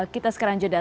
kita sekarang jadah